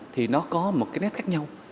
thì nó có một cái nét khác nhau